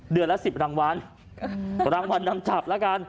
เดือนละ๑๐รางวัลรางวัลนำจับละกัน